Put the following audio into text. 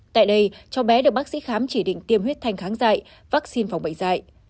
tại đây cháu bé được bác sĩ khám chỉ định tiêm huyết thanh kháng dạy vaccine phòng bệnh dạy